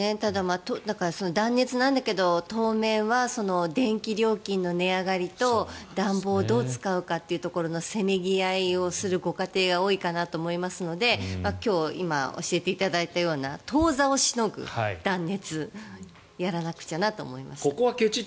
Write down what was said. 断熱なんだけど当面は電気料金の値上がりと暖房をどう使うかというところのせめぎ合いをするご家庭が多いかなと思いますので今日、今教えていただいたような当座をしのぐ断熱をやらなくちゃなと思いました。